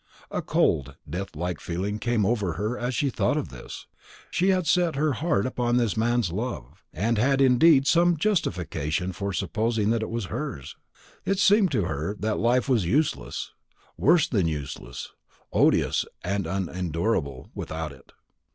A cold deathlike feeling came over her as she thought this. She had set her heart upon this man's love, and had indeed some justification for supposing that it was hers. It seemed to her that life was useless worse than useless, odious and unendurable without it.